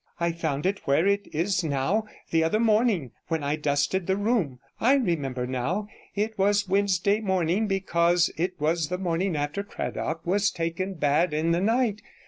'I found it where it is now the other morning when I dusted the room. I remember now, it was Wednesday morning, because it was the morning after Cradock was taken bad in the night.